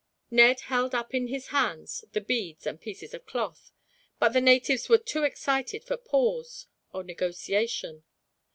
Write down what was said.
Ned held up in his hands the beads and pieces of cloth. But the natives were too excited for pause or negotiation.